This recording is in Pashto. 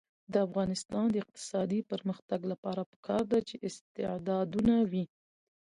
د افغانستان د اقتصادي پرمختګ لپاره پکار ده چې استعدادونه وي.